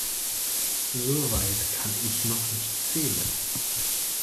So weit kann ich noch nicht zählen.